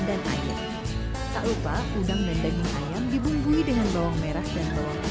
dan air tak lupa udang dan daging ayam dibumbui dengan bawang merah dan bawang